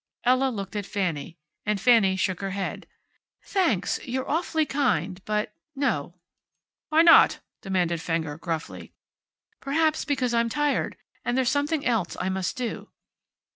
Ella looked at Fanny. And Fanny shook her head, "Thanks. You're awfully kind. But no." "Why not?" demanded Fenger, gruffly. "Perhaps because I'm tired. And there's something else I must do."